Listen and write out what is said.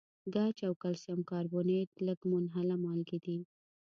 ګچ او کلسیم کاربونیټ لږ منحله مالګې دي.